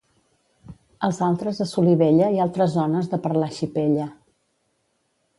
Els altres a Solivella i altres zones de parlar xipella.